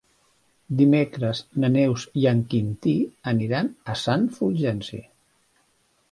Dimecres na Neus i en Quintí aniran a Sant Fulgenci.